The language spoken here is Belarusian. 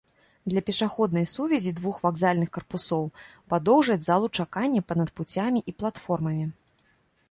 Для пешаходнай сувязі двух вакзальных карпусоў падоўжаць залу чакання па-над пуцямі і платформамі.